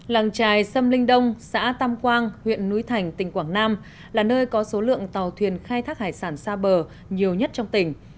làng trài sâm linh đông xã tam quang huyện núi thành tỉnh quảng nam là nơi có số lượng tàu thuyền khai thác hải sản xa bờ nhiều nhất trong tỉnh